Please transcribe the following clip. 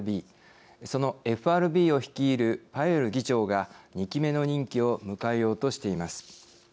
そのＦＲＢを率いるパウエル議長が２期目の任期を迎えようとしています。